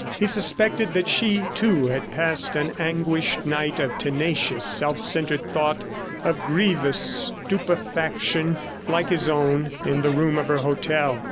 He suspected that she, too, had passed an anguished night of tenacious, self centred thought, of grievous stupefaction like his own, in the room of her hotel.